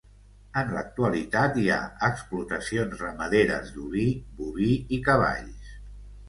En l'actualitat hi ha explotacions ramaderes d'oví, boví i cavalls.